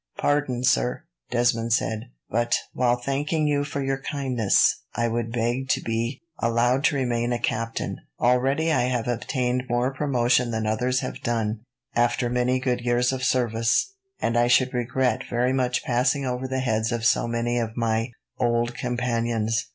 "Pardon, sir," Desmond said, "but, while thanking you for your kindness, I would beg to be allowed to remain a captain. Already I have obtained more promotion than others have done, after many years of good service, and I should regret very much passing over the heads of so many of my old companions."